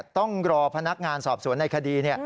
ต้องรอพนักงานสอบสวนในคดี